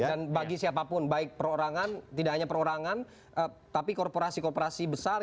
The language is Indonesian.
dan bagi siapapun baik perorangan tidak hanya perorangan tapi korporasi korporasi besar